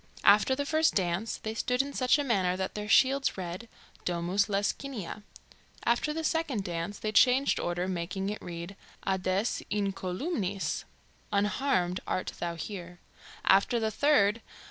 After the first dance, they stood in such a manner that their shields read "Domus Lescinia"; after the second dance, they changed order, making it read, "Ades incolumnis" (Unharmed art thou here); after the third.